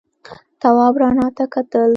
تواب رڼا ته کتل.